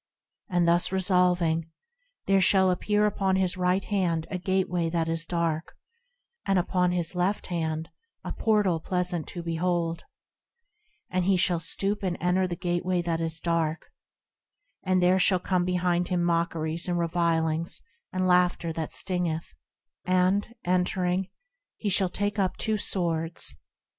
And thus resolving, there shall appear upon his right hand a Gateway that is dark, And upon his left hand a portal pleasant to behold ; And he shall stoop and enter the Gateway that is dark, And there shall come behind him mockeries and revilings, and laughter that stingeth: And, entering, he shall take up two swords.